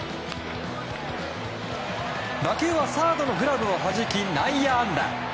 打球はサードのグラブをはじき内野安打。